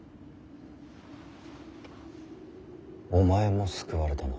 お前も救われたな。